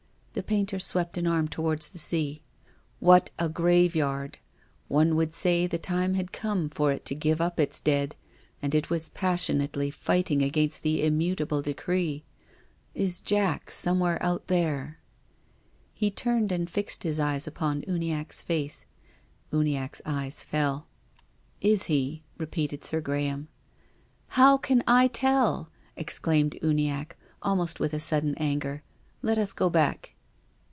The painter swept an arm towards the sea. " What a graveyard ! One would say the time had come for it to give up its dead and it was passionately fighting against the immutable de cree. Is Jack somewhere out there? " He turned and fi.xcd his eyes upon Uniacke's face. Uniacke's eyes fell. " Is he ?" repeated Sir Graham. " How can I tell ?" exclaimed Uniacke, almost with a sudden anger. " Let us go back."